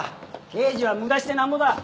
刑事は無駄してなんぼだ。